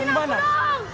lepaskan aku dong